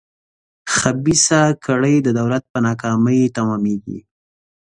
خبیثه کړۍ د دولت په ناکامۍ تمامېږي.